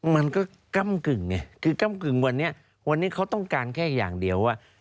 มันก็ก้ำกึ่งไงคือก้ำกึ่งวันนี้วันนี้เขาต้องการแค่อย่างเดียวว่า